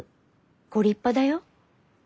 ご立派だよ。